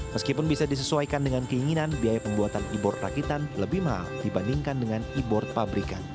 meskipun bisa disesuaikan dengan keinginan biaya pembuatan e board rakitan lebih mahal dibandingkan dengan e board pabrikan